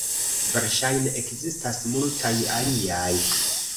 Verŝajne ekzistas multaj aliaj.